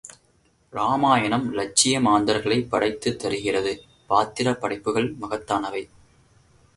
இராமயணம் லட்சிய மாந்தர்களைப் படைத்துத் தருகிறது பாத்திரப் படைப்புகள் மகத்தானவை.